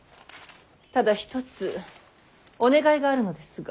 ただ一つお願いがあるのですが。